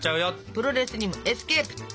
プロレスにもエスケープ！